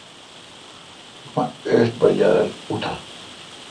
مہ ایݭٹ بجا رل اُتہ۔